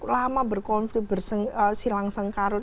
lama berkonflik silang selang karut